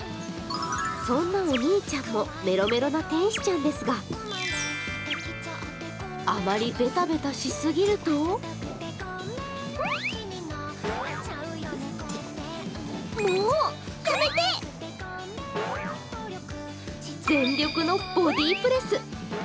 そんなお兄ちゃんもメロメロな天使ちゃんですがあまりベタベタしすぎると全力のボディープレス。